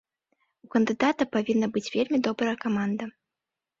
У кандыдата павінна быць вельмі добрая каманда.